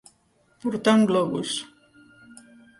Portar un globus.